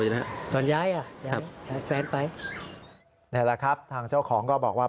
นี่แหละครับทางเจ้าของก็บอกว่า